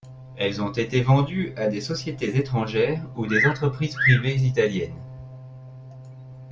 Elles ont été vendues à des sociétés étrangères ou des entreprises privées italiennes.